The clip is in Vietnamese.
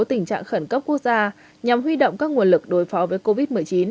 tình trạng khẩn cấp quốc gia nhằm huy động các nguồn lực đối phó với covid một mươi chín